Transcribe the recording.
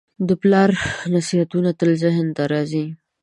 د پلار نصیحتونه تل ذهن ته راځي.